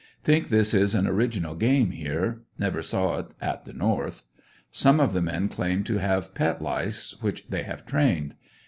Think this is an original game here, never saw it at the North. Some of the men claim to have pet lice which they have trained.